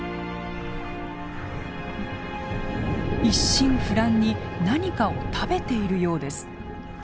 一心不乱に何かを食べているようです。